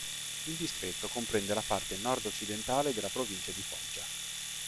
Il distretto comprende la parte nord-occidentale della provincia di Foggia.